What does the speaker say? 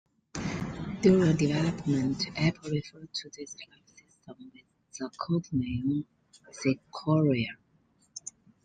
During development, Apple referred to this file system with the codename "Sequoia".